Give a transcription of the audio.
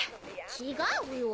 違うよ。